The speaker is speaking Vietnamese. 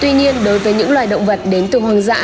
tuy nhiên đối với những loại động vật đến từ hoàng dã